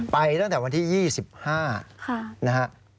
ไปตั้งแต่วันที่๒๕นะฮะ